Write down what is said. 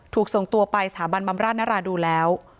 ถูกส่งตัวไปสถาบันบำราชนราดูนแล้ว